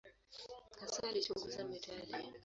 Hasa alichunguza metali.